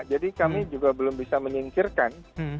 jadi kami juga belum bisa menyingkirkan